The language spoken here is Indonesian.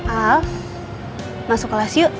alf masuk kelas yuk